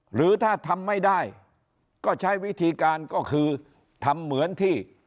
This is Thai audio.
หรือถ้าทำไม่ได้ก็ใช้วิธีการก็คือทำเหมือนที่